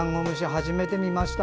初めて見ました。